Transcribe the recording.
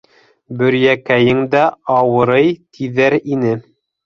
Бөйрәкәйең дә ауырый тиҙәр ине...